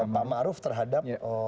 pak maruf terhadap